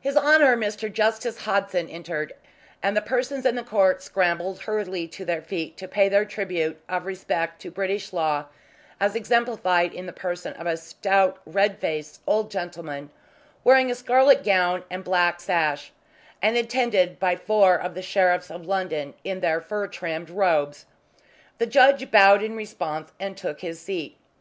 His Honour Mr. Justice Hodson entered, and the persons in the court scrambled hurriedly to their feet to pay their tribute of respect to British law, as exemplified in the person of a stout red faced old gentleman wearing a scarlet gown and black sash, and attended by four of the Sheriffs of London in their fur trimmed robes. The judge bowed in response and took his seat.